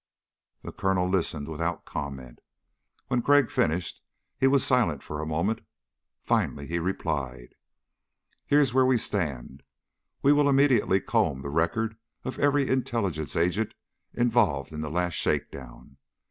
The Colonel listened without comment. When Crag finished, he was silent for a moment. Finally he replied: "Here's where we stand. We will immediately comb the record of every intelligence agent involved in the last shakedown.